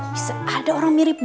bisa ada orang mirip aku ya